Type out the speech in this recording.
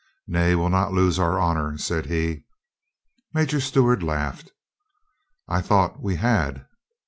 "Nay, we'll not lose our honor," said he. Major Stewart laughed. "J thought we had."